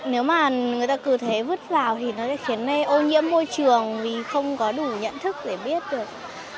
nếu mà người ta cứ thế vứt vào thì nó sẽ khiến ô nhiễm môi trường vì không có đủ nhận thức để biết được